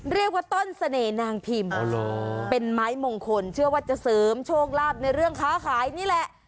เรียกว่าต้นเสน่หนางพิมพ์เป็นไม้มงคลเชื่อว่าจะเสริมโชคลาภในเรื่องค้าขายนี่แหละ